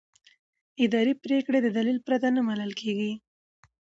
اداري پریکړې د دلیل پرته نه منل کېږي.